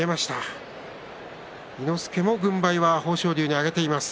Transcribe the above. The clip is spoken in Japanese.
伊之助も軍配は豊昇龍に上げています。